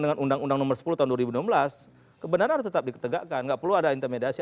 dengan undang undang nomor sepuluh tahun dua ribu enam belas kebenaran harus tetap ditegakkan nggak perlu ada intermediasi